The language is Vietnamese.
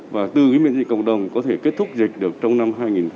và từ cái miễn dịch cộng đồng có thể kết thúc dịch được trong năm hai nghìn hai mươi